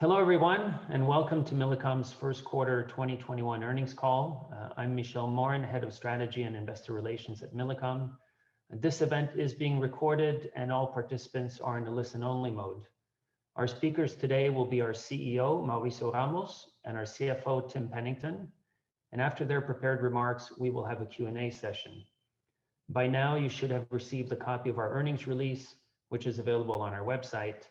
Hello, everyone, and welcome to Millicom's first quarter 2021 earnings call. I'm Michel Morin, Head of Strategy and Investor Relations at Millicom. This event is being recorded, and all participants are in a listen-only mode. Our speakers today will be our CEO, Mauricio Ramos, and our CFO, Tim Pennington, and after their prepared remarks, we will have a Q&A session. By now, you should have received a copy of our earnings release, which is available on our website,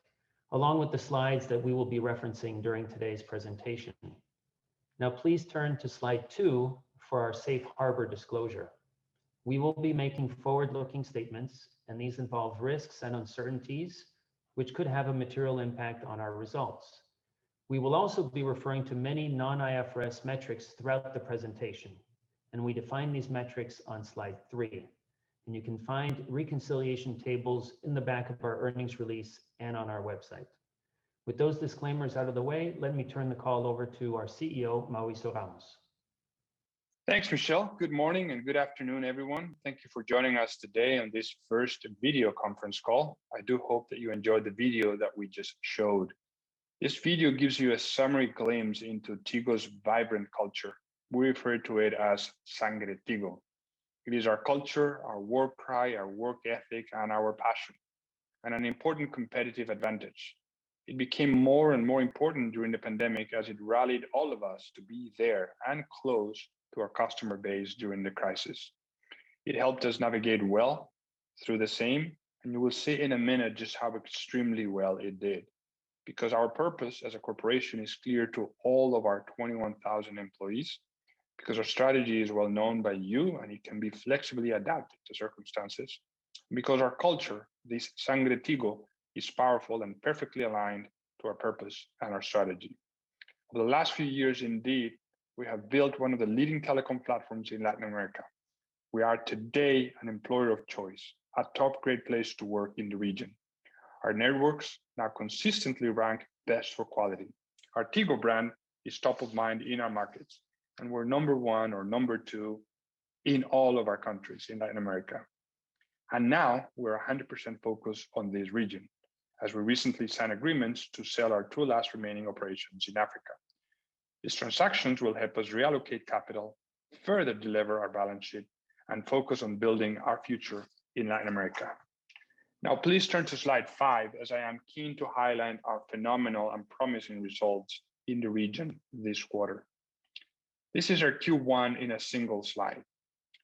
along with the slides that we will be referencing during today's presentation. Now, please turn to Slide two for our safe harbor disclosure. We will be making forward-looking statements, and these involve risks and uncertainties which could have a material impact on our results. We will also be referring to many non-IFRS metrics throughout the presentation, and we define these metrics on Slide three. You can find reconciliation tables in the back of our earnings release and on our website. With those disclaimers out of the way, let me turn the call over to our CEO, Mauricio Ramos. Thanks, Michel. Good morning and good afternoon, everyone. Thank you for joining us today on this first video conference call. I do hope that you enjoyed the video that we just showed. This video gives you a summary glimpse into Tigo's vibrant culture. We refer to it as Sangre Tigo. It is our culture, our work pride, our work ethic, and our passion, and an important competitive advantage. It became more and more important during the pandemic as it rallied all of us to be there and close to our customer base during the crisis. It helped us navigate well through the same. You will see in a minute just how extremely well it did. Our purpose as a corporation is clear to all of our 21,000 employees, our strategy is well known by you, and it can be flexibly adapted to circumstances, our culture, this Sangre Tigo, is powerful and perfectly aligned to our purpose and our strategy. Over the last few years, indeed, we have built one of the leading telecom platforms in Latin America. We are today an employer of choice, a top great place to work in the region. Our networks now consistently rank best for quality. Our Tigo brand is top of mind in our markets, and we're number one or number two in all of our countries in Latin America. Now we're 100% focused on this region, as we recently signed agreements to sell our two last remaining operations in Africa. These transactions will help us reallocate capital, further delever our balance sheet, and focus on building our future in Latin America. Please turn to slide five, as I am keen to highlight our phenomenal and promising results in the region this quarter. This is our Q1 in a single slide.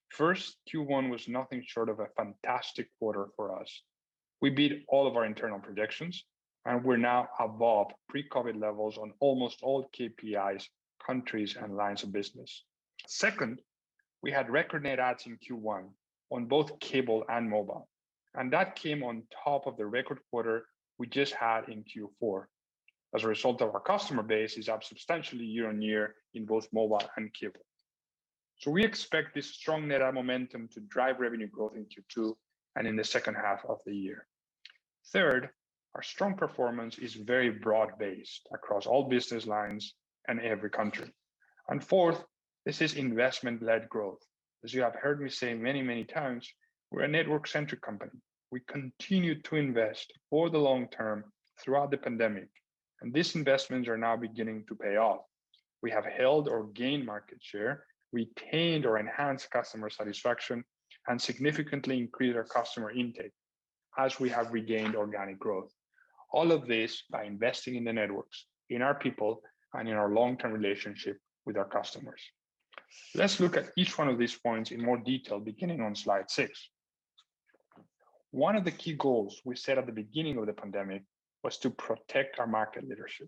First, Q1 was nothing short of a fantastic quarter for us. We beat all of our internal projections, and we're now above pre-COVID levels on almost all KPIs, countries, and lines of business. Second, we had record net adds in Q1 on both cable and mobile, and that came on top of the record quarter we just had in Q4. As a result of our customer base is up substantially year-on-year in both mobile and cable. We expect this strong net add momentum to drive revenue growth in Q2 and in the second half of the year. Our strong performance is very broad-based across all business lines and every country. Fourth, this is investment-led growth. As you have heard me say many, many times, we're a network-centric company. We continued to invest for the long term throughout the pandemic, these investments are now beginning to pay off. We have held or gained market share, retained or enhanced customer satisfaction, significantly increased our customer intake as we have regained organic growth. All of this by investing in the networks, in our people, and in our long-term relationship with our customers. Let's look at each one of these points in more detail, beginning on slide six. One of the key goals we set at the beginning of the pandemic was to protect our market leadership.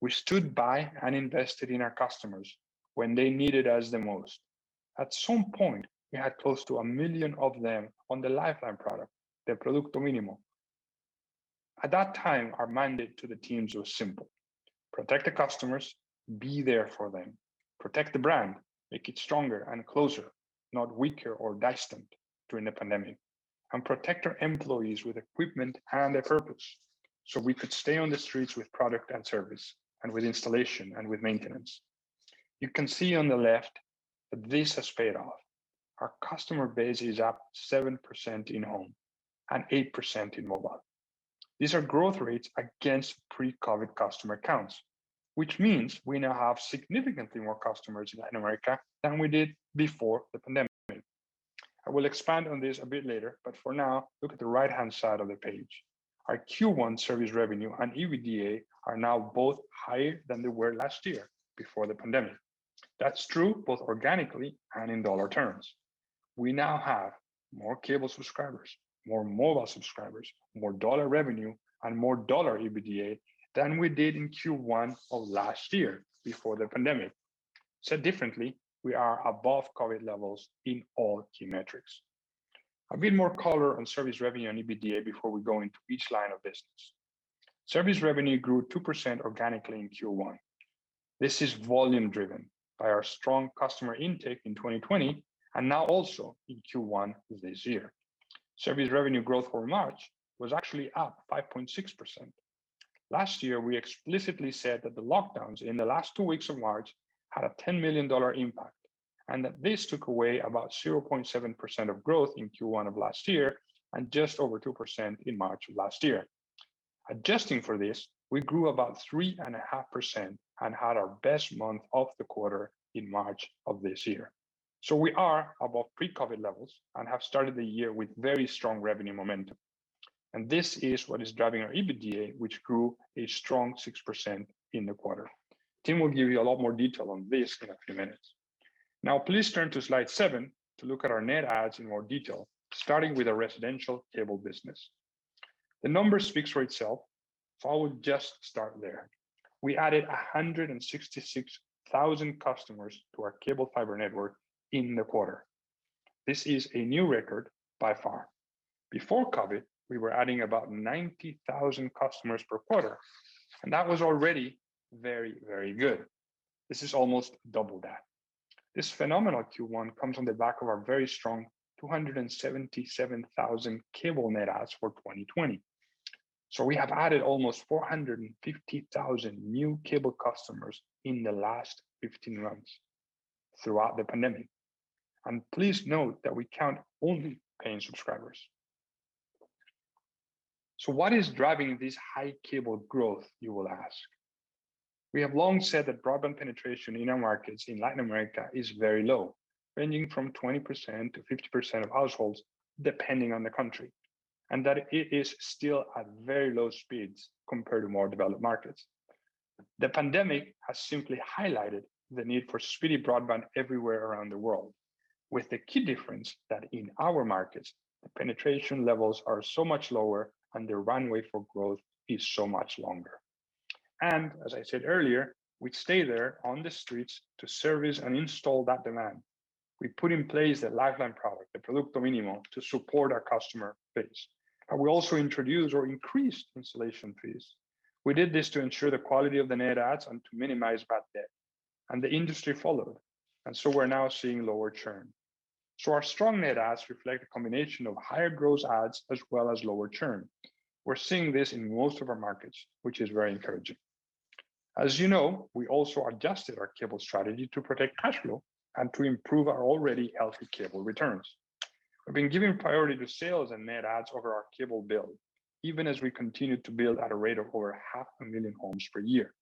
We stood by and invested in our customers when they needed us the most. At some point, we had close to one million of them on the lifeline product, the producto mínimo vital. At that time, our mandate to the teams was simple: protect the customers, be there for them, protect the brand, make it stronger and closer, not weaker or distant during the pandemic, and protect our employees with equipment and a purpose so we could stay on the streets with product and service, and with installation, and with maintenance. You can see on the left that this has paid off. Our customer base is up 7% in home and 8% in mobile. These are growth rates against pre-COVID customer counts, which means we now have significantly more customers in Latin America than we did before the pandemic. I will expand on this a bit later. For now, look at the right-hand side of the page. Our Q1 service revenue and EBITDA are now both higher than they were last year before the pandemic. That's true both organically and in dollar terms. We now have more cable subscribers, more mobile subscribers, more dollar revenue, and more dollar EBITDA than we did in Q1 of last year before the pandemic. Said differently, we are above COVID levels in all key metrics. A bit more color on service revenue and EBITDA before we go into each line of business. Service revenue grew 2% organically in Q1. This is volume driven by our strong customer intake in 2020, and now also in Q1 this year. Service revenue growth for March was actually up 5.6%. Last year, we explicitly said that the lockdowns in the last two weeks of March had a $10 million impact. That this took away about 0.7% of growth in Q1 of last year, and just over 2% in March of last year. Adjusting for this, we grew about 3.5% and had our best month of the quarter in March of this year. We are above pre-COVID levels and have started the year with very strong revenue momentum. This is what is driving our EBITDA, which grew a strong 6% in the quarter. Tim will give you a lot more detail on this in a few minutes. Please turn to slide seven to look at our net adds in more detail, starting with our residential cable business. The number speaks for itself, so I will just start there. We added 166,000 customers to our cable fiber network in the quarter. This is a new record by far. Before COVID, we were adding about 90,000 customers per quarter, and that was already very, very good. This is almost double that. This phenomenal Q1 comes on the back of our very strong 277,000 cable net adds for 2020. We have added almost 450,000 new cable customers in the last 15 months throughout the pandemic. Please note that we count only paying subscribers. What is driving this high cable growth, you will ask? We have long said that broadband penetration in our markets in Latin America is very low, ranging from 20%-50% of households, depending on the country, and that it is still at very low speeds compared to more developed markets. The pandemic has simply highlighted the need for speedy broadband everywhere around the world, with the key difference that in our markets, the penetration levels are so much lower and the runway for growth is so much longer. As I said earlier, we stay there on the streets to service and install that demand. We put in place the Lifeline product, the producto mínimo vital, to support our customer base. We also introduced or increased installation fees. We did this to ensure the quality of the net adds and to minimize bad debt. The industry followed, we're now seeing lower churn. Our strong net adds reflect a combination of higher gross adds as well as lower churn. We're seeing this in most of our markets, which is very encouraging. As you know, we also adjusted our cable strategy to protect cash flow and to improve our already healthy cable returns. We've been giving priority to sales and net adds over our cable bill, even as we continue to build at a rate of over half a million homes per year.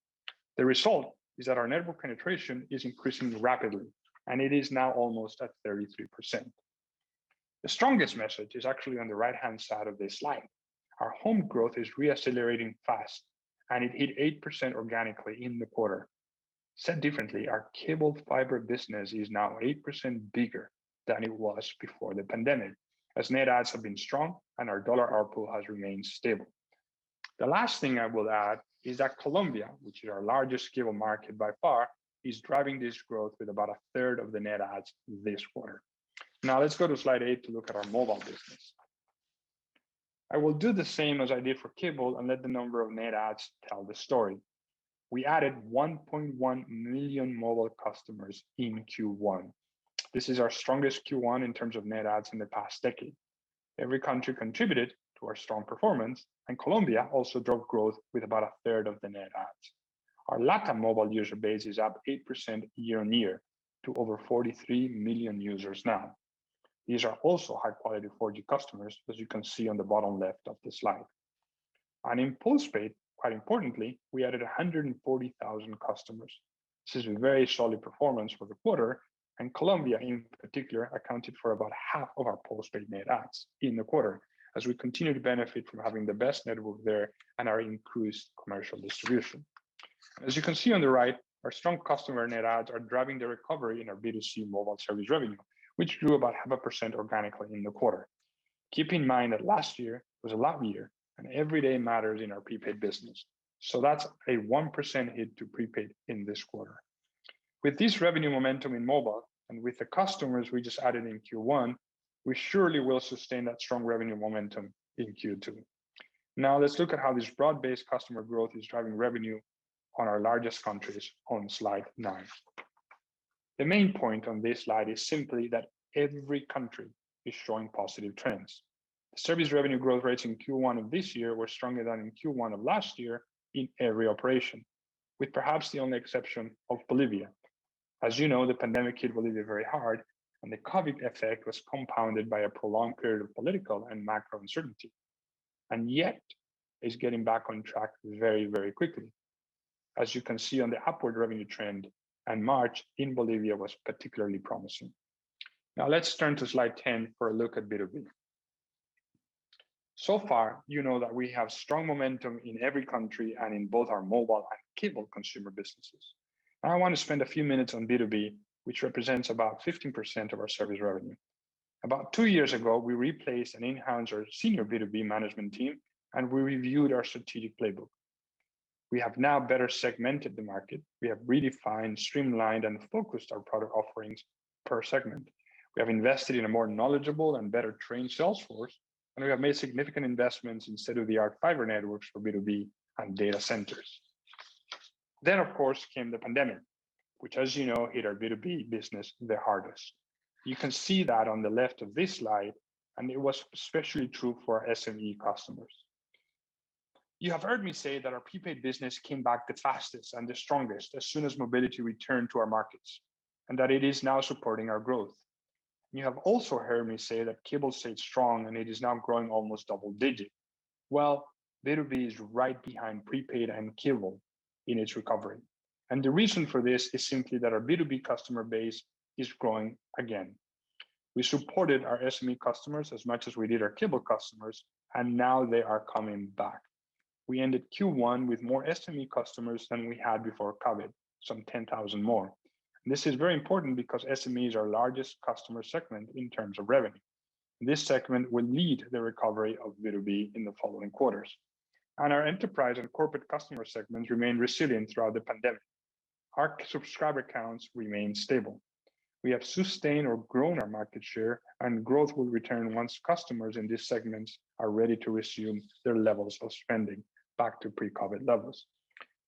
The result is that our network penetration is increasing rapidly, and it is now almost at 33%. The strongest message is actually on the right-hand side of this slide. Our home growth is re-accelerating fast, and it hit 8% organically in the quarter. Said differently, our cabled fiber business is now 8% bigger than it was before the pandemic, as net adds have been strong and our dollar ARPU has remained stable. The last thing I will add is that Colombia, which is our largest cable market by far, is driving this growth with about a third of the net adds this quarter. Let's go to slide eight to look at our mobile business. I will do the same as I did for cable and let the number of net adds tell the story. We added 1.1 million mobile customers in Q1. This is our strongest Q1 in terms of net adds in the past decade. Every country contributed to our strong performance, and Colombia also drove growth with about a third of the net adds. Our Latam mobile user base is up 8% year-on-year to over 43 million users now. These are also high-quality 4G customers, as you can see on the bottom left of the slide. In postpaid, quite importantly, we added 140,000 customers. This is a very solid performance for the quarter, and Colombia, in particular, accounted for about half of our postpaid net adds in the quarter, as we continue to benefit from having the best network there and our increased commercial distribution. As you can see on the right, our strong customer net adds are driving the recovery in our B2C mobile service revenue, which grew about 0.5% organically in the quarter. Keep in mind that last year was a leap year, and every day matters in our prepaid business. That's a 1% hit to prepaid in this quarter. With this revenue momentum in mobile, and with the customers we just added in Q1, we surely will sustain that strong revenue momentum in Q2. Now let's look at how this broad-based customer growth is driving revenue on our largest countries on slide nine. The main point on this slide is simply that every country is showing positive trends. Service revenue growth rates in Q1 of this year were stronger than in Q1 of last year in every operation, with perhaps the only exception of Bolivia. As you know, the pandemic hit Bolivia very hard, and the COVID effect was compounded by a prolonged period of political and macro uncertainty. Yet, it's getting back on track very, very quickly. As you can see on the upward revenue trend, March in Bolivia was particularly promising. Let's turn to slide 10 for a look at B2B. Far, you know that we have strong momentum in every country and in both our mobile and cable consumer businesses. I want to spend a few minutes on B2B, which represents about 15% of our service revenue. About two years ago, we replaced and enhanced our senior B2B management team, and we reviewed our strategic playbook. We have now better segmented the market. We have redefined, streamlined, and focused our product offerings per segment. We have invested in a more knowledgeable and better-trained sales force, and we have made significant investments in state-of-the-art fiber networks for B2B and data centers. Of course, came the pandemic, which, as you know, hit our B2B business the hardest. You can see that on the left of this slide, and it was especially true for SME customers. You have heard me say that our prepaid business came back the fastest and the strongest as soon as mobility returned to our markets, and that it is now supporting our growth. You have also heard me say that cable stayed strong and it is now growing almost double-digit. Well, B2B is right behind prepaid and cable in its recovery. The reason for this is simply that our B2B customer base is growing again. We supported our SME customers as much as we did our cable customers, and now they are coming back. We ended Q1 with more SME customers than we had before COVID, some 10,000 more. This is very important because SMEs are our largest customer segment in terms of revenue, and this segment will lead the recovery of B2B in the following quarters. Our enterprise and corporate customer segments remained resilient throughout the pandemic. Our subscriber counts remain stable. We have sustained or grown our market share, and growth will return once customers in these segments are ready to resume their levels of spending back to pre-COVID levels.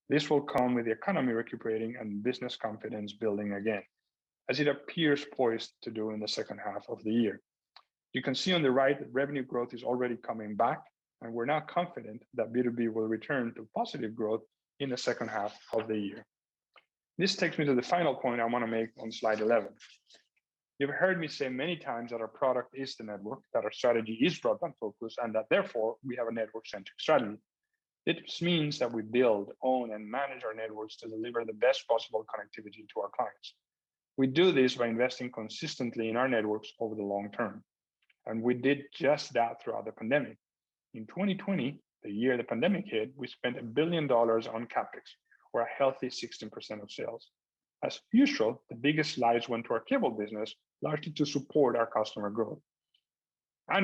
This will come with the economy recuperating and business confidence building again, as it appears poised to do in the second half of the year. You can see on the right that revenue growth is already coming back, and we're now confident that B2B will return to positive growth in the second half of the year. This takes me to the final point I want to make on slide 11. You've heard me say many times that our product is the network, that our strategy is broadband-focused, and that therefore, we have a network-centric strategy. This means that we build, own, and manage our networks to deliver the best possible connectivity to our clients. We do this by investing consistently in our networks over the long term, and we did just that throughout the pandemic. In 2020, the year the pandemic hit, we spent $1 billion on CapEx or a healthy 16% of sales. As usual, the biggest slice went to our cable business, largely to support our customer growth.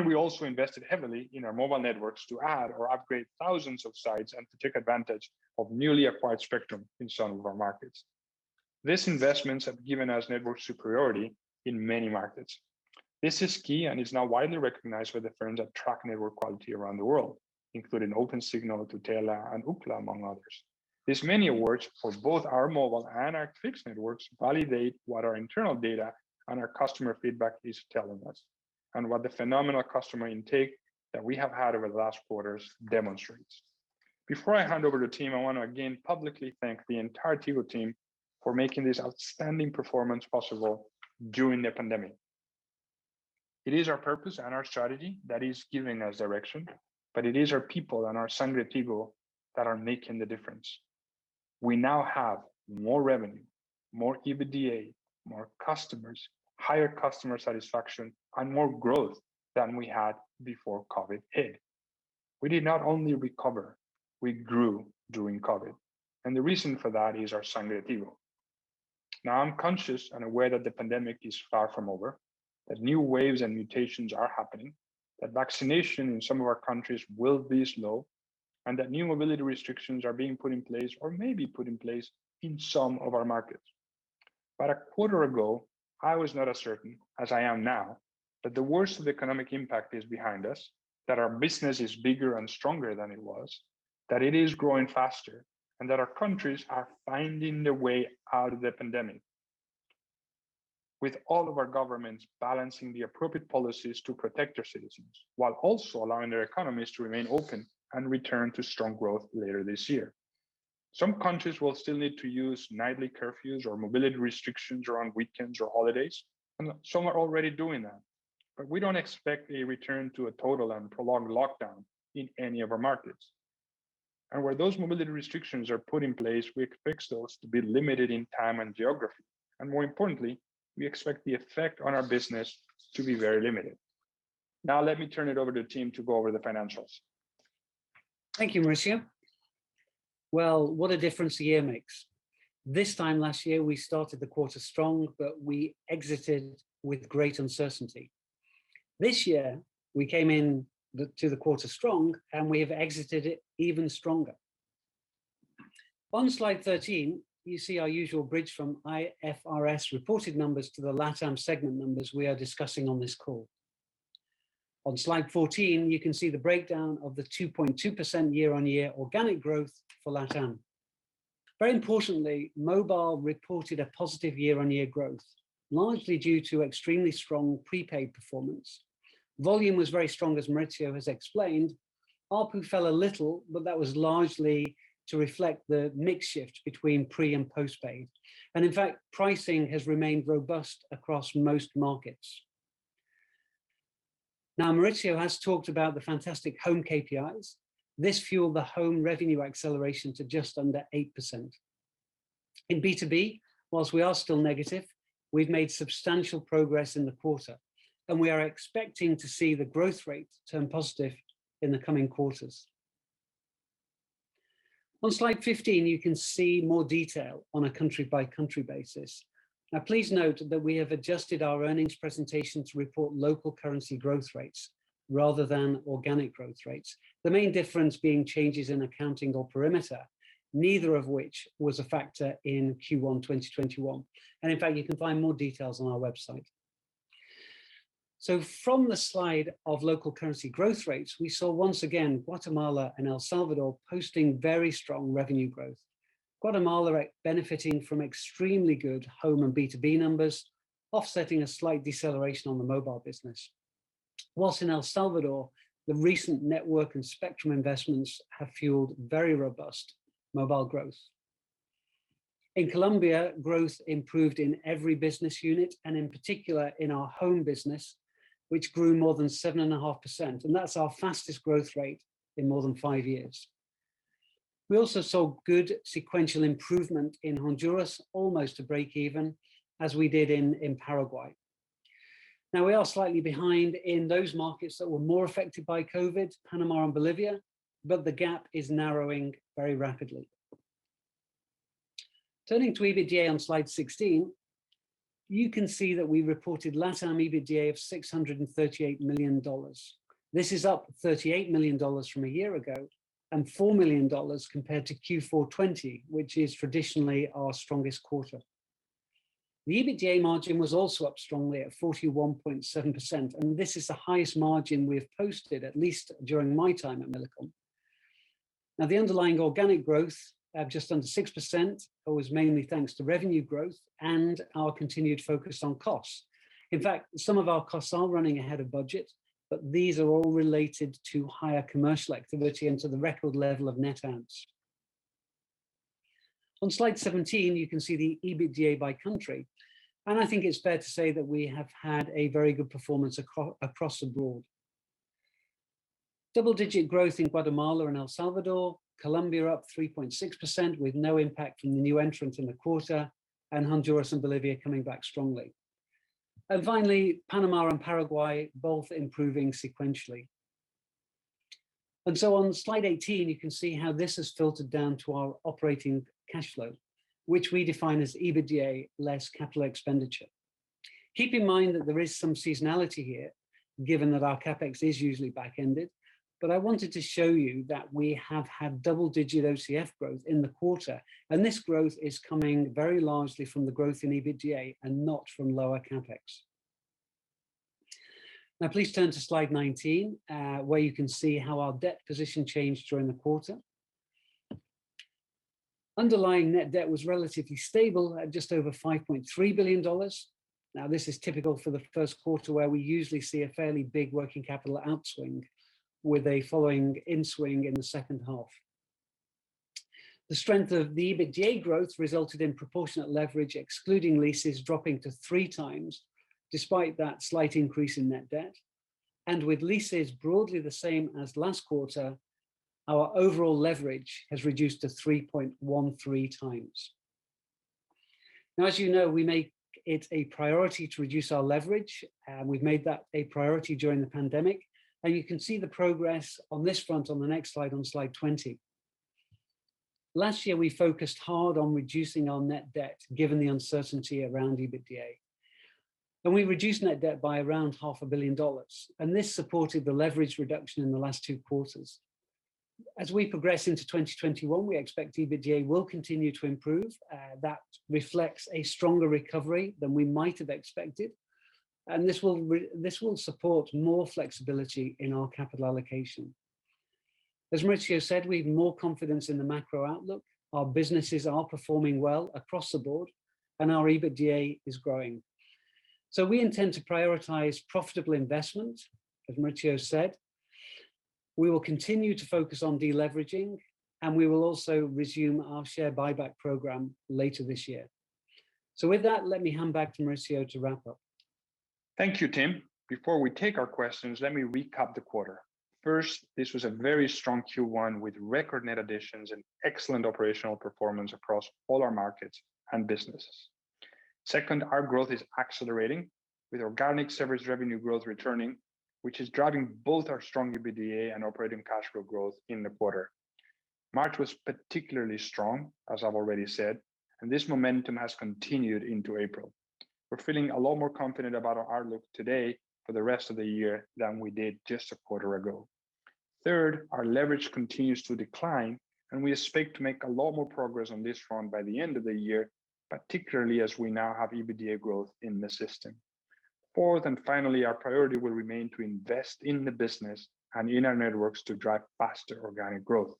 We also invested heavily in our mobile networks to add or upgrade thousands of sites and to take advantage of newly acquired spectrum in some of our markets. These investments have given us network superiority in many markets. This is key and is now widely recognized by the firms that track network quality around the world, including Opensignal, Tutela, and Ookla, among others. These many awards for both our mobile and our fixed networks validate what our internal data and our customer feedback is telling us, and what the phenomenal customer intake that we have had over the last quarters demonstrates. Before I hand over to Tim, I want to again publicly thank the entire Tigo team for making this outstanding performance possible during the pandemic. It is our purpose and our strategy that is giving us direction, but it is our people and our Sangre Tigo that are making the difference. We now have more revenue, more EBITDA, more customers, higher customer satisfaction, and more growth than we had before COVID hit. We did not only recover, we grew during COVID. The reason for that is our Sangre Tigo. Now, I'm conscious and aware that the pandemic is far from over, that new waves and mutations are happening, that vaccination in some of our countries will be slow, and that new mobility restrictions are being put in place or may be put in place in some of our markets. A quarter ago, I was not as certain as I am now that the worst of the economic impact is behind us, that our business is bigger and stronger than it was, that it is growing faster, and that our countries are finding a way out of the pandemic, with all of our governments balancing the appropriate policies to protect their citizens while also allowing their economies to remain open and return to strong growth later this year. Some countries will still need to use nightly curfews or mobility restrictions around weekends or holidays, and some are already doing that. We don't expect a return to a total and prolonged lockdown in any of our markets. Where those mobility restrictions are put in place, we expect those to be limited in time and geography. More importantly, we expect the effect on our business to be very limited. Let me turn it over to Tim to go over the financials. Thank you, Mauricio. Well, what a difference a year makes. This time last year, we started the quarter strong, but we exited with great uncertainty. This year, we came into the quarter strong, and we have exited it even stronger. On slide 13, you see our usual bridge from IFRS reported numbers to the LatAm segment numbers we are discussing on this call. On slide 14, you can see the breakdown of the 2.2% year-on-year organic growth for LatAm. Very importantly, mobile reported a positive year-on-year growth, largely due to extremely strong prepaid performance. Volume was very strong, as Mauricio has explained. ARPU fell a little, but that was largely to reflect the mix shift between pre and post-paid. In fact, pricing has remained robust across most markets. Now, Mauricio has talked about the fantastic home KPIs. This fueled the home revenue acceleration to just under 8%. In B2B, whilst we are still negative, we've made substantial progress in the quarter, and we are expecting to see the growth rate turn positive in the coming quarters. On slide 15, you can see more detail on a country-by-country basis. Now, please note that we have adjusted our earnings presentation to report local currency growth rates rather than organic growth rates. The main difference being changes in accounting or perimeter, neither of which was a factor in Q1 2021. In fact, you can find more details on our website. From the slide of local currency growth rates, we saw once again Guatemala and El Salvador posting very strong revenue growth. Guatemala are benefiting from extremely good home and B2B numbers, offsetting a slight deceleration on the mobile business. Whilst in El Salvador, the recent network and spectrum investments have fueled very robust mobile growth. In Colombia, growth improved in every business unit, and in particular in our home business, which grew more than 7.5%, and that's our fastest growth rate in more than five years. We also saw good sequential improvement in Honduras, almost to break even, as we did in Paraguay. We are slightly behind in those markets that were more affected by COVID, Panama and Bolivia. The gap is narrowing very rapidly. Turning to EBITDA on slide 16, you can see that we reported LatAm EBITDA of $638 million. This is up $38 million from a year ago and $4 million compared to Q4 2020, which is traditionally our strongest quarter. The EBITDA margin was also up strongly at 41.7%. This is the highest margin we've posted, at least during my time at Millicom. The underlying organic growth at just under 6% was mainly thanks to revenue growth and our continued focus on costs. In fact, some of our costs are running ahead of budget, but these are all related to higher commercial activity and to the record level of net adds. On slide 17, you can see the EBITDA by country, and I think it's fair to say that we have had a very good performance across the board. Double-digit growth in Guatemala and El Salvador, Colombia up 3.6% with no impact from the new entrants in the quarter, and Honduras and Bolivia coming back strongly. Finally, Panama and Paraguay both improving sequentially. On slide 18, you can see how this has filtered down to our operating cash flow, which we define as EBITDA less capital expenditure. Keep in mind that there is some seasonality here, given that our CapEx is usually back-ended, but I wanted to show you that we have had double-digit OCF growth in the quarter, and this growth is coming very largely from the growth in EBITDA and not from lower CapEx. Please turn to slide 19, where you can see how our debt position changed during the quarter. Underlying net debt was relatively stable at just over $5.3 billion. This is typical for the first quarter, where we usually see a fairly big working capital upswing with a following in-swing in the second half. The strength of the EBITDA growth resulted in proportionate leverage, excluding leases dropping to three times, despite that slight increase in net debt. With leases broadly the same as last quarter, our overall leverage has reduced to 3.13 times. As you know, we make it a priority to reduce our leverage. We've made that a priority during the pandemic. You can see the progress on this front on the next slide, on slide 20. Last year, we focused hard on reducing our net debt, given the uncertainty around EBITDA. We reduced net debt by around $500 million. This supported the leverage reduction in the last two quarters. As we progress into 2021, we expect EBITDA will continue to improve. That reflects a stronger recovery than we might have expected. This will support more flexibility in our capital allocation. As Mauricio said, we have more confidence in the macro outlook. Our businesses are performing well across the board. Our EBITDA is growing. We intend to prioritize profitable investment, as Mauricio said. We will continue to focus on de-leveraging, and we will also resume our share buyback program later this year. With that, let me hand back to Mauricio to wrap up. Thank you, Tim. Before we take our questions, let me recap the quarter. First, this was a very strong Q1 with record net additions and excellent operational performance across all our markets and businesses. Second, our growth is accelerating, with organic service revenue growth returning, which is driving both our strong EBITDA and operating cash flow growth in the quarter. March was particularly strong, as I've already said, and this momentum has continued into April. We're feeling a lot more confident about our outlook today for the rest of the year than we did just a quarter ago. Third, our leverage continues to decline, and we expect to make a lot more progress on this front by the end of the year, particularly as we now have EBITDA growth in the system. Fourth and finally, our priority will remain to invest in the business and in our networks to drive faster organic growth.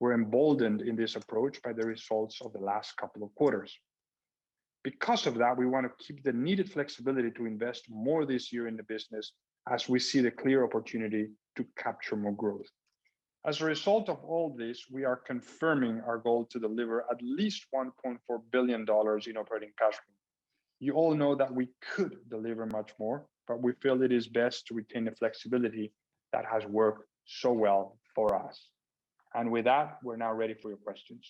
We're emboldened in this approach by the results of the last couple of quarters. Because of that, we want to keep the needed flexibility to invest more this year in the business as we see the clear opportunity to capture more growth. As a result of all this, we are confirming our goal to deliver at least $1.4 billion in operating cash flow. You all know that we could deliver much more, but we feel it is best to retain the flexibility that has worked so well for us. With that, we're now ready for your questions.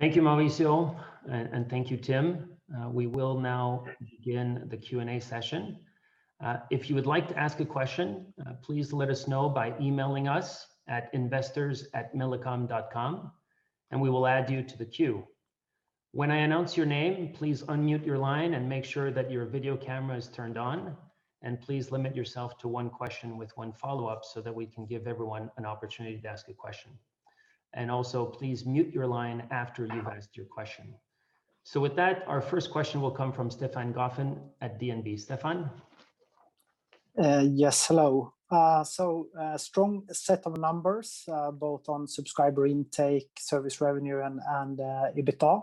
Thank you, Mauricio, and thank you, Tim. We will now begin the Q&A session. If you would like to ask a question, please let us know by emailing us at investors@millicom.com and we will add you to the queue. When I announce your name, please unmute your line and make sure that your video camera is turned on, and please limit yourself to one question with one follow-up so that we can give everyone an opportunity to ask a question. Also, please mute your line after you've asked your question. With that, our first question will come from Stefan Gauffin at DNB. Stefan? Yes. Hello. A strong set of numbers, both on subscriber intake, service revenue, and EBITDA.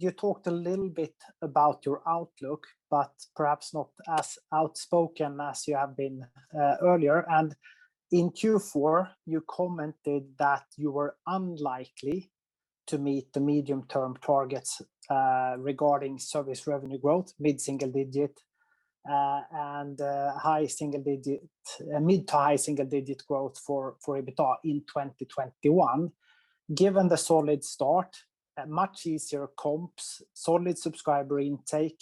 You talked a little bit about your outlook, but perhaps not as outspoken as you have been earlier. In Q4, you commented that you were unlikely to meet the medium-term targets regarding service revenue growth, mid-single digit, and mid to high single-digit growth for EBITDA in 2021. Given the solid start, much easier comps, solid subscriber intake,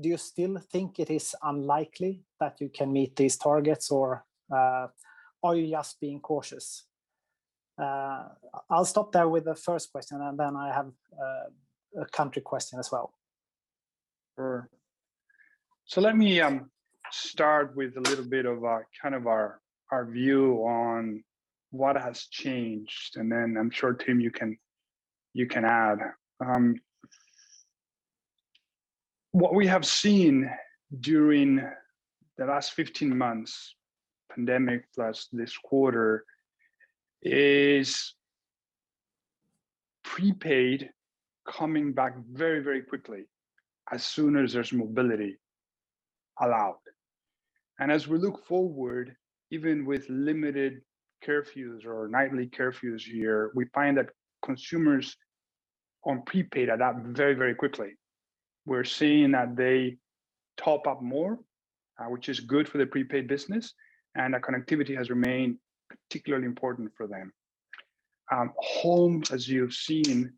do you still think it is unlikely that you can meet these targets, or are you just being cautious? I'll stop there with the first question, and then I have a country question as well. Sure. Let me start with a little bit of our view on what has changed, and then I'm sure, Tim, you can add. What we have seen during the last 15 months, pandemic plus this quarter, is prepaid coming back very quickly, as soon as there's mobility allowed. As we look forward, even with limited curfews or nightly curfews here, we find that consumers on prepaid adapt very quickly. We're seeing that they top up more, which is good for the prepaid business, and that connectivity has remained particularly important for them. Home, as you've seen,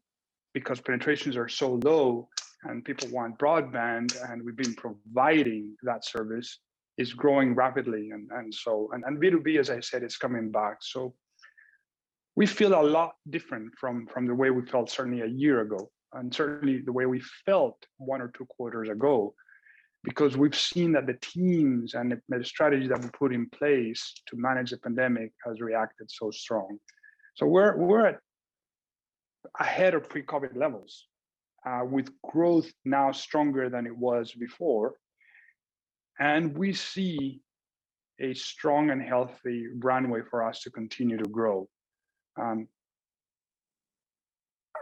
because penetrations are so low and people want broadband, and we've been providing that service, is growing rapidly. B2B, as I said, is coming back. We feel a lot different from the way we felt certainly a year ago, and certainly the way we felt one or two quarters ago, because we've seen that the teams and the strategy that we put in place to manage the pandemic has reacted so strong. We're ahead of pre-COVID levels, with growth now stronger than it was before, and we see a strong and healthy runway for us to continue to grow.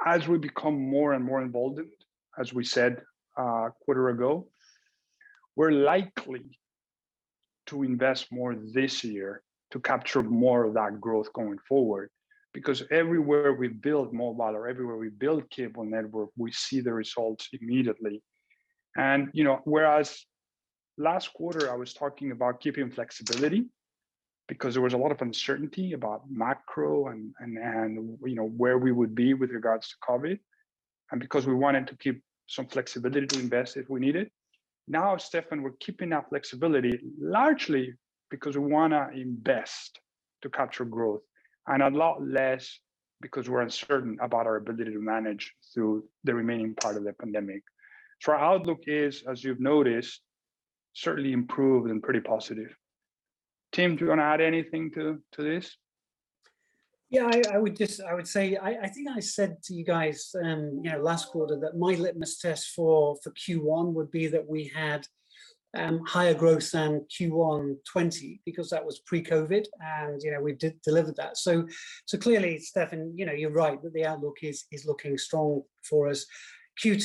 As we become more and more emboldened, as we said a quarter ago, we're likely to invest more this year to capture more of that growth going forward. Everywhere we build mobile or everywhere we build cable network, we see the results immediately. Whereas last quarter, I was talking about keeping flexibility because there was a lot of uncertainty about macro and where we would be with regards to COVID, and because we wanted to keep some flexibility to invest if we needed. Stefan, we're keeping that flexibility largely because we want to invest to capture growth, and a lot less because we're uncertain about our ability to manage through the remaining part of the pandemic. Our outlook is, as you've noticed, certainly improved and pretty positive. Tim, do you want to add anything to this? Yeah, I would say, I think I said to you guys last quarter that my litmus test for Q1 would be that we had higher growth than Q1 2020, because that was pre-COVID, and we did deliver that. Clearly, Stefan, you're right that the outlook is looking strong for us. They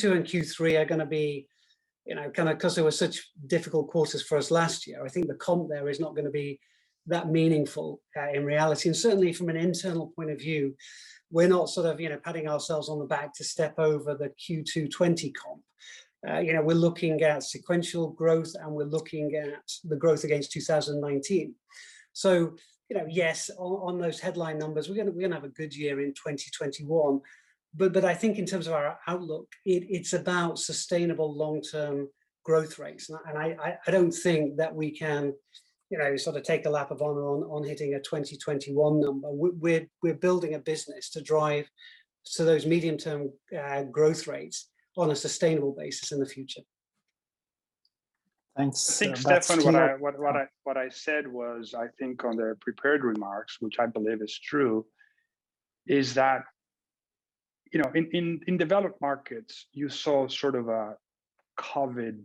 were such difficult quarters for us last year, I think the comp there is not going to be that meaningful in reality. Certainly, from an internal point of view, we're not patting ourselves on the back to step over the Q2 2020 comp. We're looking at sequential growth, and we're looking at the growth against 2019. Yes, on those headline numbers, we're going to have a good year in 2021. I think in terms of our outlook, it's about sustainable long-term growth rates. I don't think that we can take a lap of honor on hitting a 2021 number. We're building a business to drive those medium-term growth rates on a sustainable basis in the future. Thanks, that's clear. I think, Stefan, what I said was, I think on the prepared remarks, which I believe is true, is that in developed markets, you saw a COVID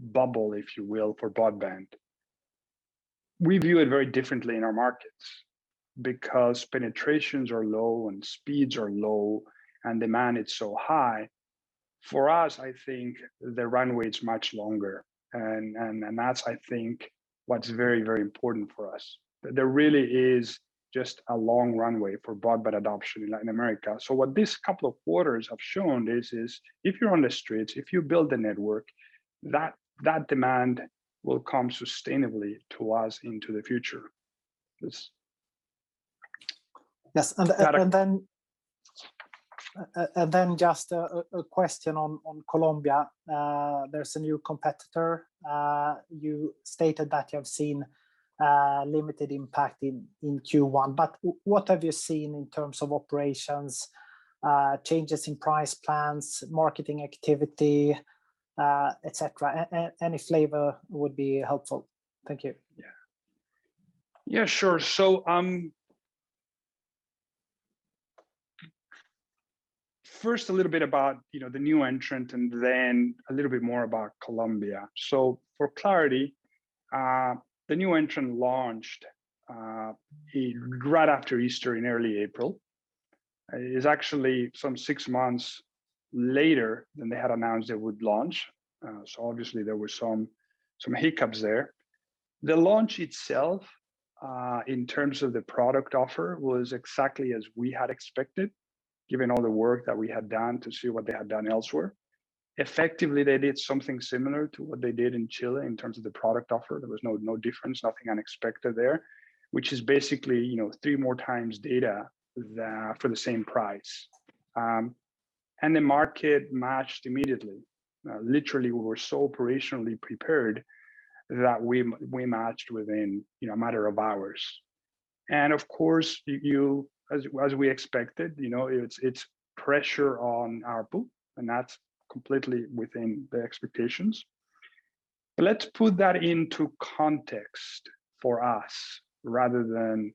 bubble, if you will, for broadband. We view it very differently in our markets because penetrations are low and speeds are low, and demand is so high. For us, I think the runway is much longer, and that's, I think, what's very important for us. There really is just a long runway for broadband adoption in Latin America. What these couple of quarters have shown is if you're on the streets, if you build the network, that demand will come sustainably to us into the future. Yes. Yes. Then just a question on Colombia. There's a new competitor. You stated that you have seen limited impact in Q1. What have you seen in terms of operations, changes in price plans, marketing activity, et cetera? Any flavor would be helpful. Thank you. Yeah. Sure. First a little bit about the new entrant, and then a little bit more about Colombia. For clarity, the new entrant launched right after Easter in early April. It is actually some six months later than they had announced they would launch. Obviously there were some hiccups there. The launch itself, in terms of the product offer, was exactly as we had expected, given all the work that we had done to see what they had done elsewhere. Effectively, they did something similar to what they did in Chile in terms of the product offer. There was no difference, nothing unexpected there, which is basically three more times data for the same price. The market matched immediately. Literally, we were so operationally prepared that we matched within a matter of hours. Of course, as we expected, it's pressure on our ARPU, and that's completely within the expectations. Let's put that into context for us rather than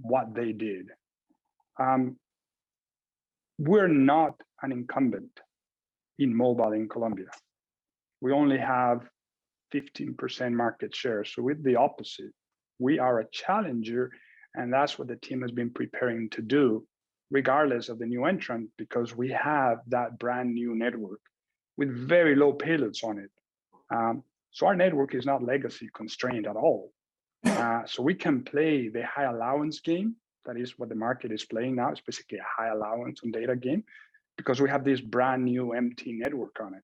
what they did. We're not an incumbent in mobile in Colombia. We only have 15% market share, so we're the opposite. We are a challenger, and that's what the team has been preparing to do regardless of the new entrant, because we have that brand-new network with very low payloads on it. Our network is not legacy constrained at all. We can play the high allowance game. That is what the market is playing now, it's basically a high allowance on data game because we have this brand-new empty network on it.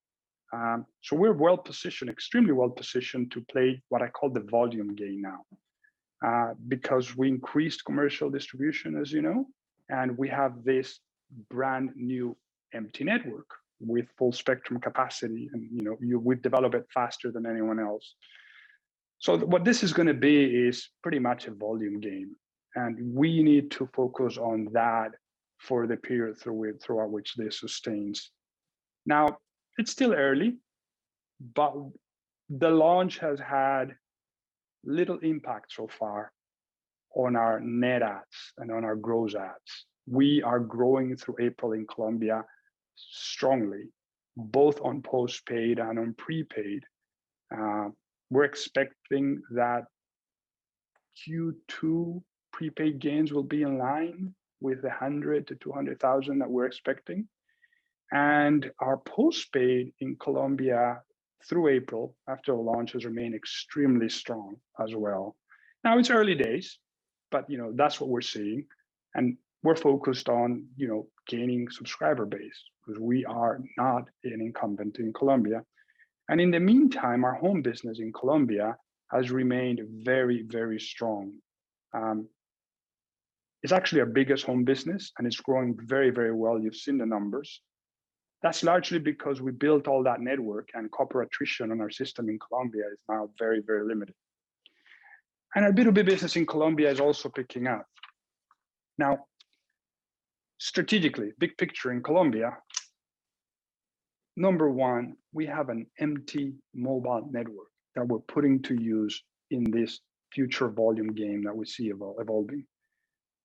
We're extremely well-positioned to play what I call the volume game now, because we increased commercial distribution, as you know, and we have this brand-new empty network with full spectrum capacity, and we've developed it faster than anyone else. What this is going to be is pretty much a volume game, and we need to focus on that for the period throughout which this sustains. Now, it's still early, but the launch has had little impact so far on our net adds and on our gross adds. We are growing through April in Colombia strongly, both on postpaid and on prepaid. We're expecting that Q2 prepaid gains will be in line with the 100,000-200,000 that we're expecting. Our postpaid in Colombia through April after the launch has remained extremely strong as well. It's early days, but that's what we're seeing, and we're focused on gaining subscriber base because we are not an incumbent in Colombia. In the meantime, our home business in Colombia has remained very strong. It's actually our biggest home business, and it's growing very well. You've seen the numbers. That's largely because we built all that network, and copper attrition on our system in Colombia is now very limited. Our B2B business in Colombia is also picking up. Strategically, big picture in Colombia, number one, we have an empty mobile network that we're putting to use in this future volume game that we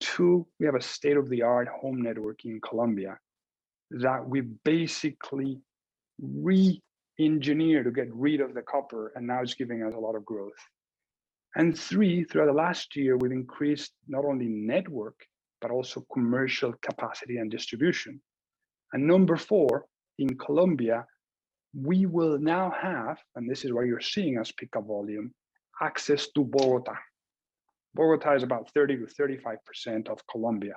see evolving. Two, we have a state-of-the-art home network in Colombia that we basically re-engineered to get rid of the copper, and now it's giving us a lot of growth. Three, throughout the last year, we've increased not only network, but also commercial capacity and distribution. Number four, in Colombia, we will now have, and this is where you're seeing us pick up volume, access to Bogotá. Bogotá is about 30% to 35% of Colombia.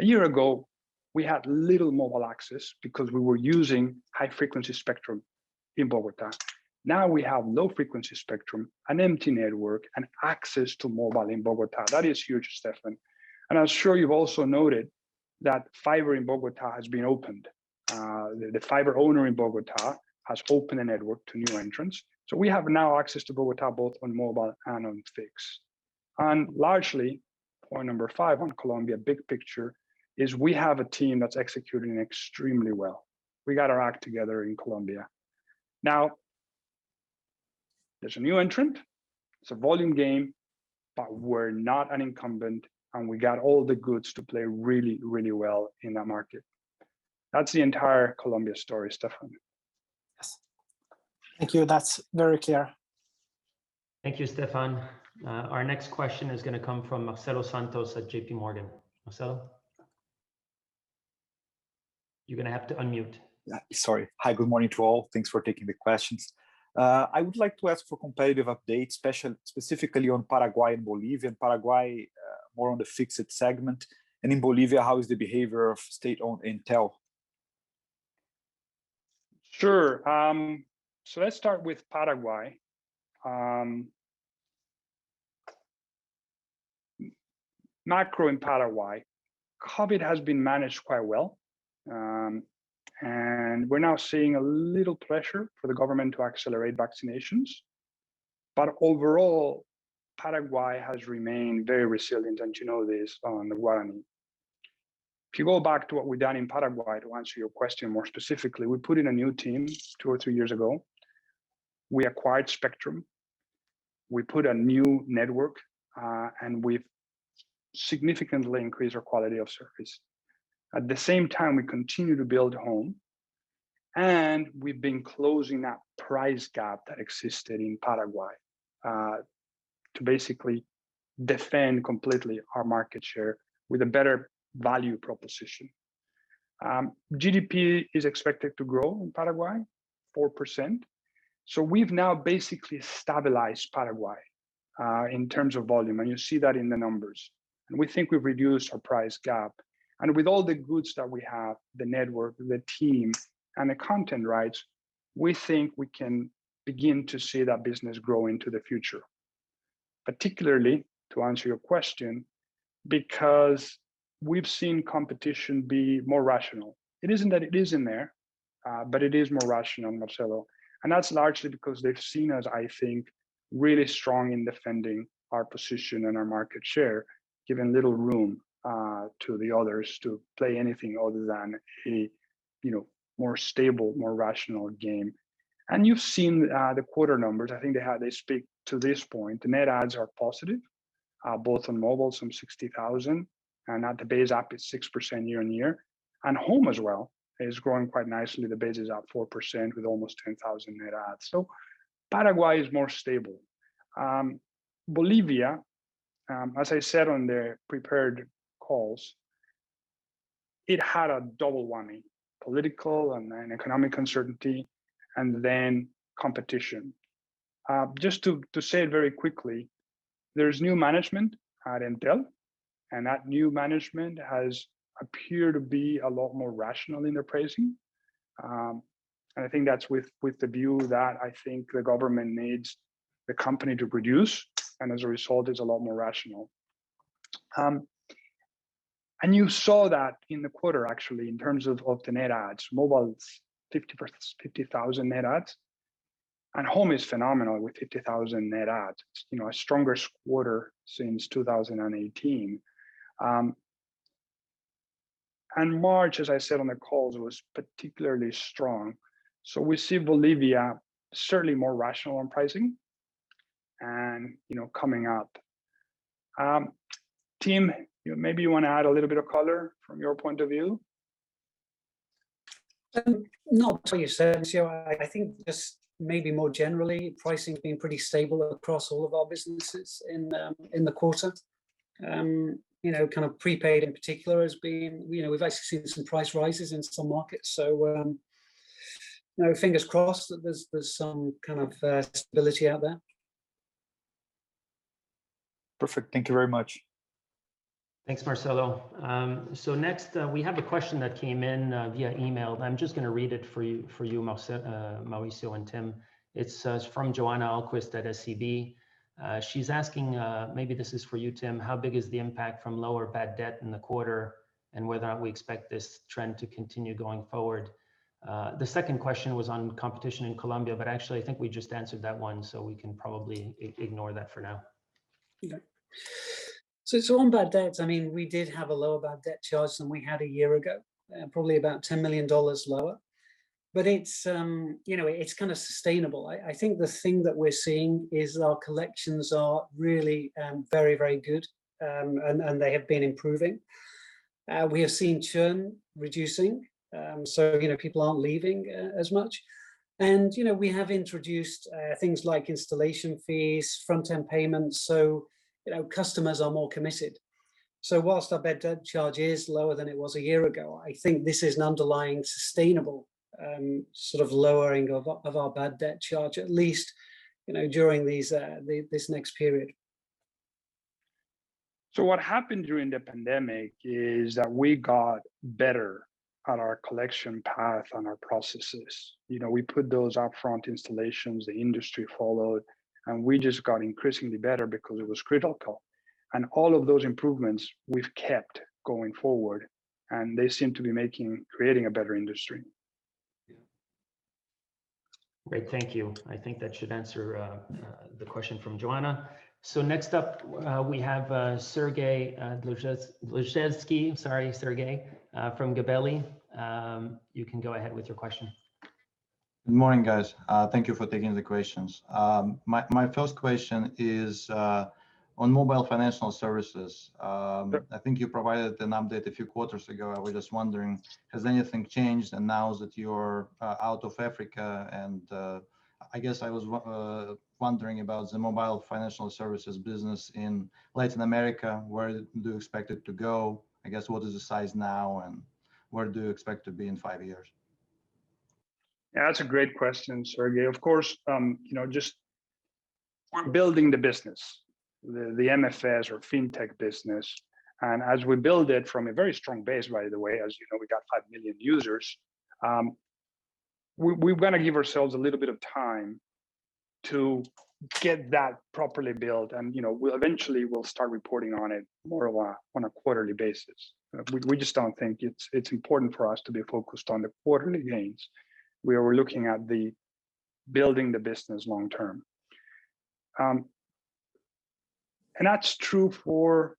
A year ago, we had little mobile access because we were using high-frequency spectrum in Bogotá. Now we have low-frequency spectrum, an empty network, and access to mobile in Bogotá. That is huge, Stefan. I'm sure you've also noted that fiber in Bogotá has been opened. The fiber owner in Bogotá has opened a network to new entrants. We have now access to Bogotá both on mobile and on fixed. Largely, point number five on Colombia, big picture, is we have a team that's executing extremely well. We got our act together in Colombia. There's a new entrant, it's a volume game, but we're not an incumbent, and we got all the goods to play really well in that market. That's the entire Colombia story, Stefan. Yes. Thank you. That's very clear. Thank you, Stefan. Our next question is going to come from Marcelo Santos at JPMorgan. Marcelo? You're going to have to unmute. Yeah. Sorry. Hi, good morning to all. Thanks for taking the questions. I would like to ask for competitive updates, specifically on Paraguay and Bolivia. In Paraguay, more on the fixed segment. In Bolivia, how is the behavior of state-owned Entel? Sure. Let's start with Paraguay. Macro in Paraguay, COVID has been managed quite well, and we're now seeing a little pressure for the government to accelerate vaccinations. Overall, Paraguay has remained very resilient, and you know this, Marcelo. If you go back to what we've done in Paraguay, to answer your question more specifically, we put in a new team two or three years ago. We acquired spectrum. We put a new network, and we've significantly increased our quality of service. At the same time, we continue to build Home, and we've been closing that price gap that existed in Paraguay to basically defend completely our market share with a better value proposition. GDP is expected to grow in Paraguay 4%. We've now basically stabilized Paraguay in terms of volume, and you see that in the numbers. We think we've reduced our price gap. With all the goods that we have, the network, the team, and the content rights, we think we can begin to see that business grow into the future. Particularly, to answer your question, because we've seen competition be more rational. It isn't that it isn't there, but it is more rational, Marcelo, and that's largely because they've seen us, I think, really strong in defending our position and our market share, giving little room to the others to play anything other than a more stable, more rational game. You've seen the quarter numbers. I think they speak to this point. The net adds are positive, both on mobile, some 60,000, and at the base is up, it's 6% year-on-year. Home as well is growing quite nicely. The base is up 4% with almost 10,000 net adds. Paraguay is more stable. Bolivia, as I said on the prepared calls, it had a double whammy, political and economic uncertainty, and then competition. Just to say it very quickly, there's new management at Entel, and that new management has appeared to be a lot more rational in their pricing. I think that's with the view that I think the government needs the company to produce, and as a result, is a lot more rational. You saw that in the quarter, actually, in terms of the net adds. Mobile's 50,000 net adds, and Home is phenomenal with 50,000 net adds, a stronger quarter since 2018. March, as I said on the calls, was particularly strong. We see Bolivia certainly more rational on pricing and coming up. Tim, maybe you want to add a little bit of color from your point of view? Not to what you said, Mauricio. I think just maybe more generally, pricing's been pretty stable across all of our businesses in the quarter. Prepaid in particular, we've actually seen some price rises in some markets. Fingers crossed that there's some kind of stability out there. Perfect. Thank you very much. Thanks, Marcelo. Next, we have a question that came in via email. I'm just going to read it for you, Mauricio and Tim. It's from Johanna Ahlqvist at SEB. She's asking, maybe this is for you, Tim: How big is the impact from lower bad debt in the quarter and whether or not we expect this trend to continue going forward? The second question was on competition in Colombia, but actually, I think we just answered that one, so we can probably ignore that for now. On bad debts, we did have a lower bad debt charge than we had a year ago, probably about $10 million lower, but it's sustainable. I think the thing that we're seeing is our collections are really very good, and they have been improving. We have seen churn reducing, so people aren't leaving as much. We have introduced things like installation fees, front-end payments, so customers are more committed. Whilst our bad debt charge is lower than it was a year ago, I think this is an underlying sustainable lowering of our bad debt charge, at least during this next period. What happened during the pandemic is that we got better at our collection path and our processes. We put those upfront installations, the industry followed, and we just got increasingly better because it was critical. All of those improvements we've kept going forward, and they seem to be creating a better industry. Yeah. Great. Thank you. I think that should answer the question from Johanna Ahlqvist. Next up, we have Sergey Dluzhevskiy. Sorry, Sergey, from Gabelli. You can go ahead with your question. Good morning, guys. Thank you for taking the questions. My first question is on mobile financial services. Sure. I think you provided an update a few quarters ago. I was just wondering, has anything changed? Now that you're out of Africa, I guess I was wondering about the mobile financial services business in Latin America. Where do you expect it to go? I guess, what is the size now, and where do you expect to be in five years? Yeah, that's a great question, Sergey. Of course, just building the business, the MFS or fintech business. As we build it from a very strong base, by the way, as you know, we got five million users. We're going to give ourselves a little bit of time to get that properly built, and eventually, we'll start reporting on it more on a quarterly basis. We just don't think it's important for us to be focused on the quarterly gains, where we're looking at building the business long term. That's true for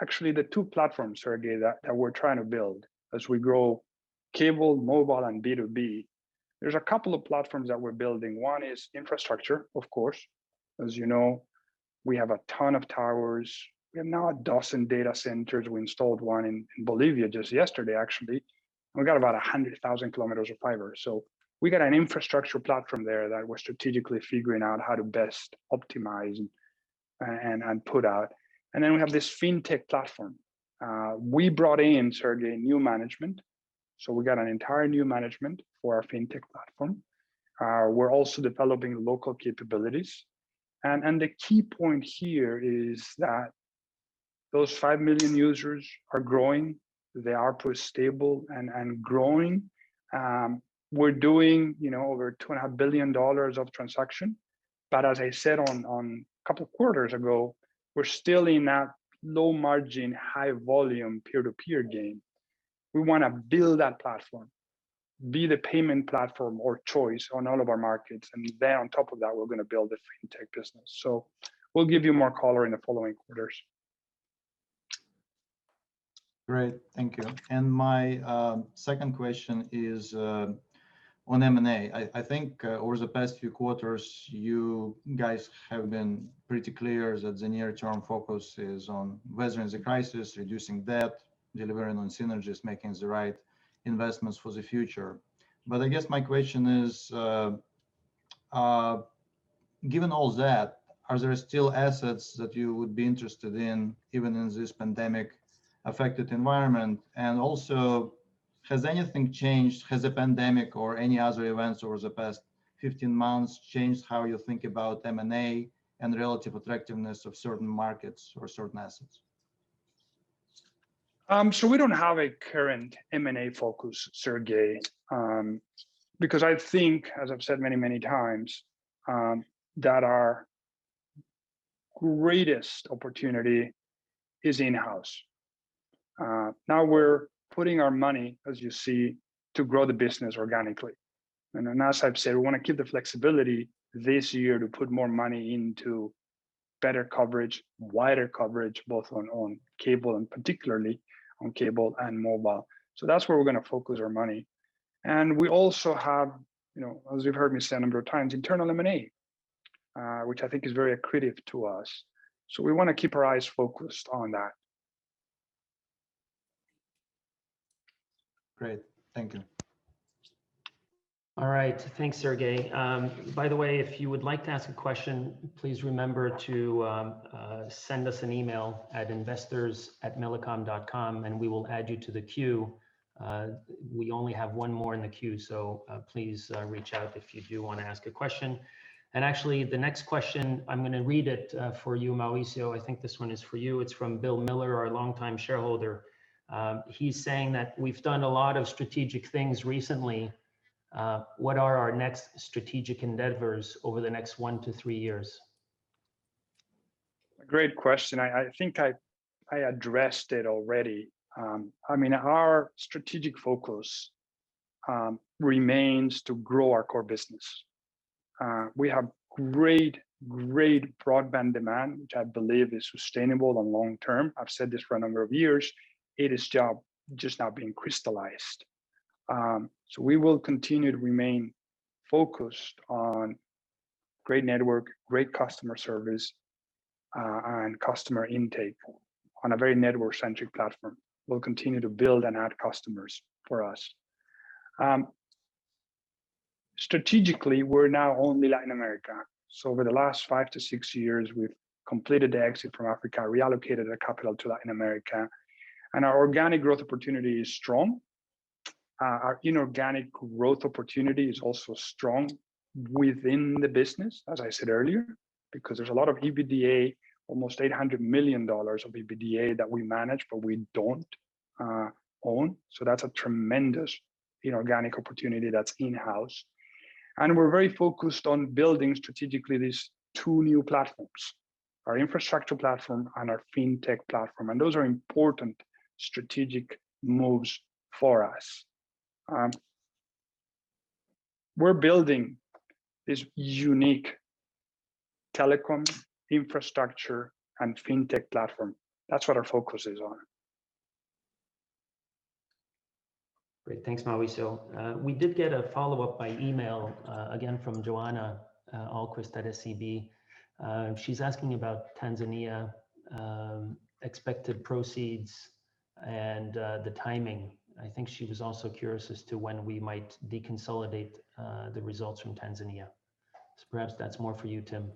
actually the two platforms, Sergey, that we're trying to build as we grow cable, mobile, and B2B. There's a couple of platforms that we're building. One is infrastructure, of course. As you know, we have a ton of towers. We have now a dozen data centers. We installed one in Bolivia just yesterday, actually. We've got about 100,000 kilometers of fiber. We've got an infrastructure platform there that we're strategically figuring out how to best optimize and put out. Then we have this fintech platform. We brought in, Sergey, new management. We got an entire new management for our fintech platform. We're also developing local capabilities. The key point here is that those five million users are growing. They are stable and growing. We're doing over $2.5 billion of transaction. As I said a couple of quarters ago, we're still in that low margin, high volume, peer-to-peer game. We want to build that platform, be the payment platform or choice on all of our markets. Then on top of that, we're going to build a fintech business. We'll give you more color in the following quarters. Great. Thank you. My second question is on M&A. I think over the past few quarters, you guys have been pretty clear that the near-term focus is on weathering the crisis, reducing debt, delivering on synergies, making the right investments for the future. I guess my question is, given all that, are there still assets that you would be interested in even in this pandemic-affected environment? Also, has anything changed? Has the pandemic or any other events over the past 15 months changed how you think about M&A and the relative attractiveness of certain markets or certain assets? We don't have a current M&A focus, Sergey, because I think, as I've said many times, that our greatest opportunity is in-house. Now we're putting our money, as you see, to grow the business organically. As I've said, we want to keep the flexibility this year to put more money into better coverage, wider coverage, both on cable and particularly on cable and mobile. That's where we're going to focus our money. We also have, as you've heard me say a number of times, internal M&A, which I think is very accretive to us. We want to keep our eyes focused on that. Great. Thank you. All right. Thanks, Sergey. By the way, if you would like to ask a question, please remember to send us an email at investors@millicom.com and we will add you to the queue. We only have one more in the queue. Please reach out if you do want to ask a question. Actually, the next question, I'm going to read it for you, Mauricio. I think this one is for you. It's from Bill Miller, our longtime shareholder. He's saying that we've done a lot of strategic things recently. What are our next strategic endeavors over the next one to three years? Great question. I think I addressed it already. Our strategic focus remains to grow our core business. We have great broadband demand, which I believe is sustainable and long-term. I've said this for a number of years. It is just now being crystallized. We will continue to remain focused on great network, great customer service, and customer intake on a very network-centric platform. We'll continue to build and add customers for us. Strategically, we're now only Latin America. Over the last five to six years, we've completed the exit from Africa, reallocated our capital to Latin America, and our organic growth opportunity is strong. Our inorganic growth opportunity is also strong within the business, as I said earlier, because there's a lot of EBITDA, almost $800 million of EBITDA that we manage, but we don't own. That's a tremendous inorganic opportunity that's in-house. We're very focused on building strategically these two new platforms, our infrastructure platform and our fintech platform. Those are important strategic moves for us. We're building this unique telecom infrastructure and fintech platform. That's what our focus is on. Great. Thanks, Mauricio. We did get a follow-up by email, again from Johanna Ahlqvist at SEB. She's asking about Tanzania expected proceeds and the timing. I think she was also curious as to when we might deconsolidate the results from Tanzania. Perhaps that's more for you, Tim.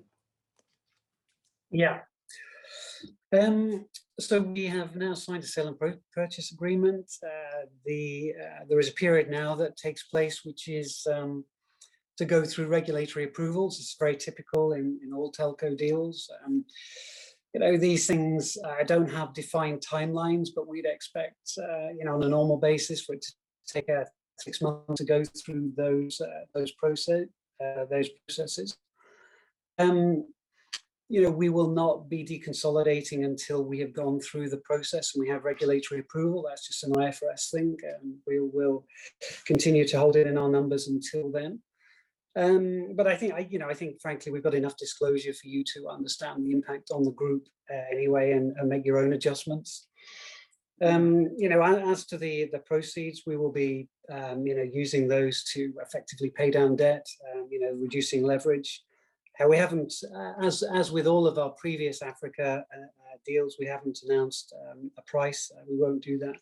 Yeah. We have now signed a sale and purchase agreement. There is a period now that takes place, which is to go through regulatory approvals. It's very typical in all telco deals. These things don't have defined timelines, we'd expect, on a normal basis, would take six months to go through those processes. We will not be deconsolidating until we have gone through the process and we have regulatory approval. That's just an IFRS thing, we will continue to hold it in our numbers until then. I think, frankly, we've got enough disclosure for you to understand the impact on the group anyway and make your own adjustments. As to the proceeds, we will be using those to effectively pay down debt, reducing leverage. As with all of our previous Africa deals, we haven't announced a price. We won't do that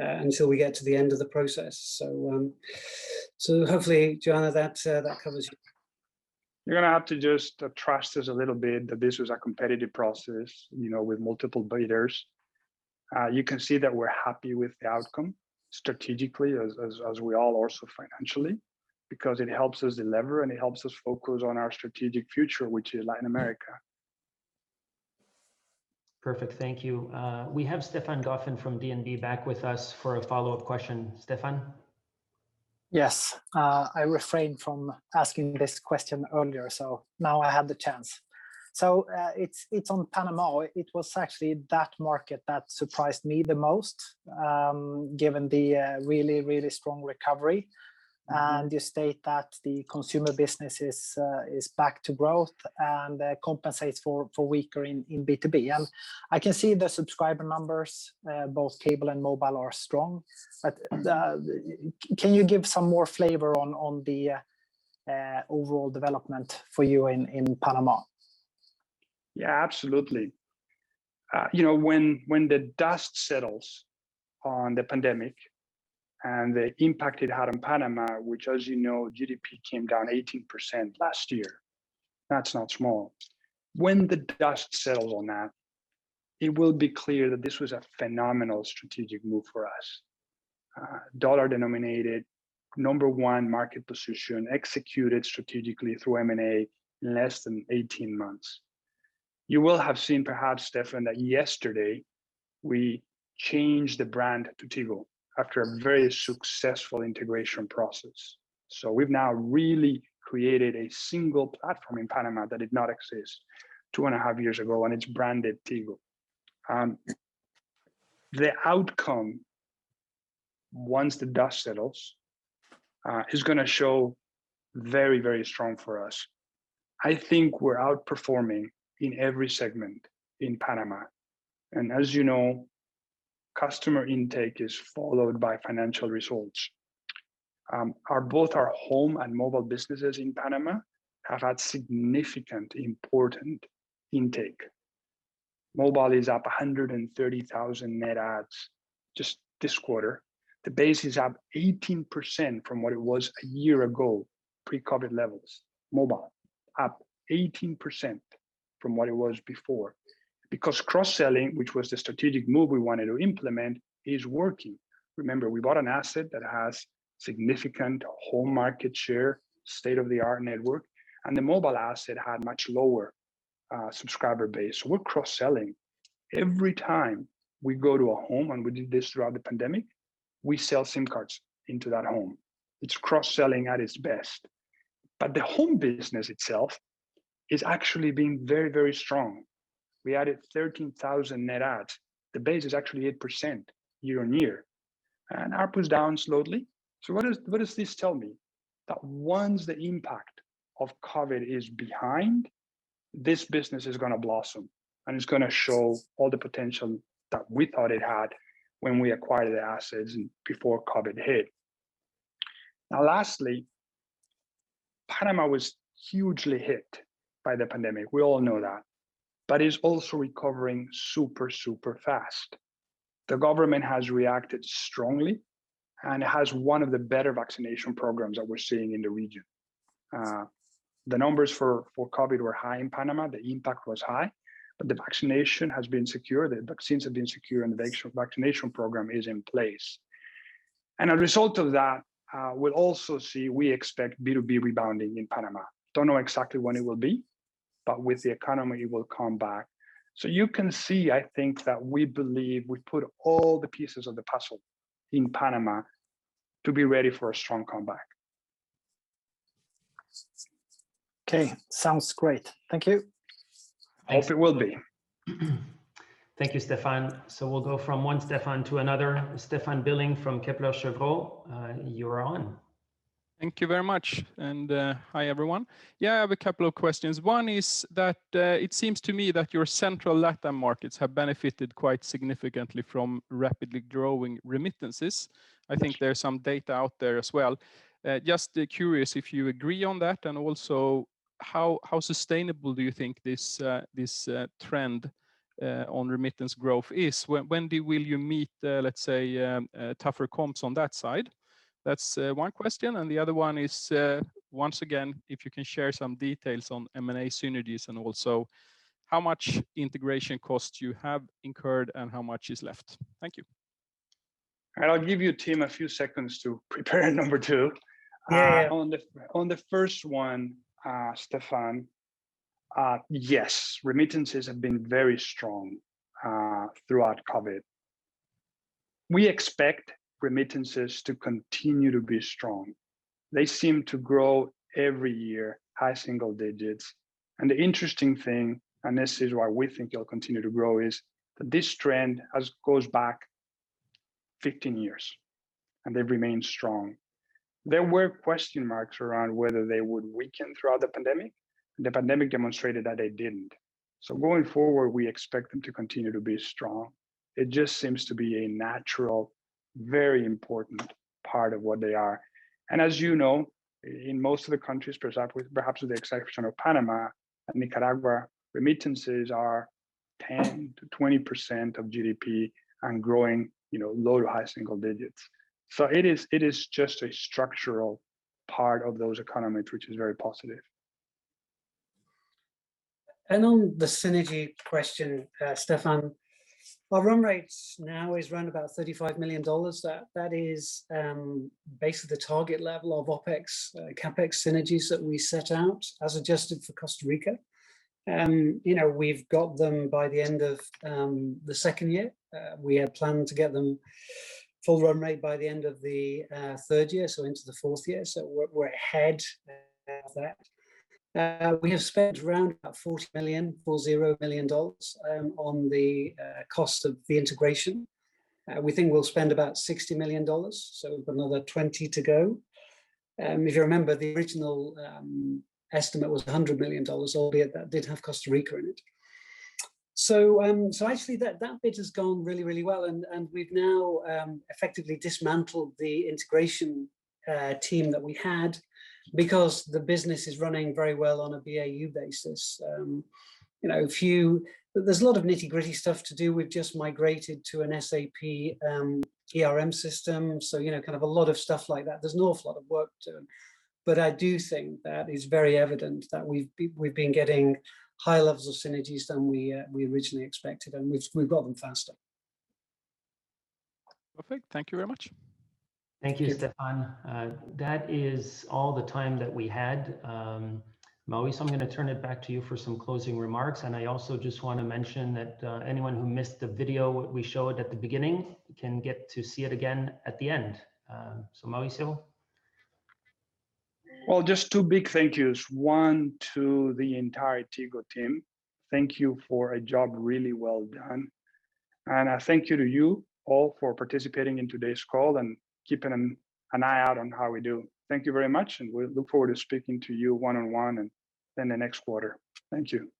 until we get to the end of the process. Hopefully, Johanna, that covers you. You're going to have to just trust us a little bit that this was a competitive process with multiple bidders. You can see that we're happy with the outcome strategically as we are also financially, because it helps us delever and it helps us focus on our strategic future, which is Latin America. Perfect. Thank you. We have Stefan Gauffin from DNB back with us for a follow-up question. Stefan? Yes. I refrained from asking this question earlier, so now I have the chance. It's on Panama. It was actually that market that surprised me the most, given the really, really strong recovery. You state that the consumer business is back to growth and compensates for weaker in B2B. I can see the subscriber numbers, both cable and mobile, are strong. Can you give some more flavor on the overall development for you in Panama? Yeah, absolutely. When the dust settles on the pandemic and the impact it had on Panama, which as you know, GDP came down 18% last year. That's not small. When the dust settles on that, it will be clear that this was a phenomenal strategic move for us. Dollar-denominated, number one market position, executed strategically through M&A in less than 18 months. You will have seen perhaps, Stefan, that yesterday we changed the brand to Tigo after a very successful integration process. We've now really created a single platform in Panama that did not exist two and a half years ago, and it's branded Tigo. The outcome, once the dust settles, is going to show very, very strong for us. I think we're outperforming in every segment in Panama, and as you know, customer intake is followed by financial results. Both our home and mobile businesses in Panama have had significant, important intake. Mobile is up 130,000 net adds just this quarter. The base is up 18% from what it was a year ago, pre-COVID levels. Mobile up 18% from what it was before. Cross-selling, which was the strategic move we wanted to implement, is working. Remember, we bought an asset that has significant home market share, state-of-the-art network, and the mobile asset had much lower subscriber base. We're cross-selling. Every time we go to a home, and we did this throughout the pandemic, we sell SIM cards into that home. It's cross-selling at its best. The home business itself is actually being very, very strong. We added 13,000 net adds. The base is actually 8% year-on-year. ARPU's down slowly. What does this tell me? That once the impact of COVID is behind, this business is going to blossom, and it's going to show all the potential that we thought it had when we acquired the assets and before COVID hit. Lastly, Panama was hugely hit by the pandemic. We all know that. It is also recovering super fast. The government has reacted strongly and has one of the better vaccination programs that we're seeing in the region. The numbers for COVID were high in Panama. The impact was high, but the vaccination has been secure. The vaccines have been secure, and the vaccination program is in place. A result of that, we'll also see, we expect B2B rebounding in Panama. Don't know exactly when it will be, but with the economy, it will come back. You can see, I think that we believe we put all the pieces of the puzzle in Panama to be ready for a strong comeback. Okay. Sounds great. Thank you. I hope it will be. Thank you, Stefan. We'll go from one Stefan to another. Stefan Billing from Kepler Cheuvreux, you are on. Thank you very much. Hi, everyone. I have a couple of questions. One is that it seems to me that your central LatAm markets have benefited quite significantly from rapidly growing remittances. I think there's some data out there as well. Just curious if you agree on that, and also how sustainable do you think this trend on remittance growth is? When will you meet, let's say, tougher comps on that side? That's one question. The other one is, once again, if you can share some details on M&A synergies and also how much integration costs you have incurred and how much is left. Thank you. I'll give you, Tim, a few seconds to prepare number two. Yeah. On the first one, Stefan, yes, remittances have been very strong throughout COVID. We expect remittances to continue to be strong. They seem to grow every year high single digits. The interesting thing, and this is why we think it'll continue to grow, is that this trend goes back 15 years, and they've remained strong. There were question marks around whether they would weaken throughout the pandemic. The pandemic demonstrated that they didn't. Going forward, we expect them to continue to be strong. It just seems to be a natural, very important part of what they are. As you know, in most of the countries, perhaps with the exception of Panama and Nicaragua, remittances are 10%-20% of GDP and growing low to high single digits. It is just a structural part of those economies, which is very positive. On the synergy question, Stefan, our run rate now is around about $35 million. That is basically the target level of OpEx/CapEx synergies that we set out as adjusted for Costa Rica. We've got them by the end of the second year. We had planned to get them full run rate by the end of the third year, so into the fourth year. We're ahead of that. We have spent around about $40 million on the cost of the integration. We think we'll spend about $60 million, so another 20 to go. If you remember, the original estimate was $100 million, albeit that did have Costa Rica in it. Actually that bit has gone really well, and we've now effectively dismantled the integration team that we had because the business is running very well on a BAU basis. There's a lot of nitty-gritty stuff to do. We've just migrated to an SAP ERP system, so a lot of stuff like that. There's an awful lot of work to do. I do think that it's very evident that we've been getting higher levels of synergies than we originally expected, and we've got them faster. Perfect. Thank you very much. Thank you, Stefan. That is all the time that we had. Mauricio, I'm going to turn it back to you for some closing remarks, and I also just want to mention that anyone who missed the video we showed at the beginning can get to see it again at the end. Mauricio? Well, just two big thank yous. One to the entire Tigo team. Thank you for a job really well done. A thank you to you all for participating in today's call and keeping an eye out on how we do. Thank you very much, and we look forward to speaking to you one-on-one in the next quarter. Thank you.